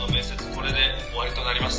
これで終わりとなります。